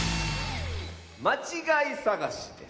まちがいさがしです。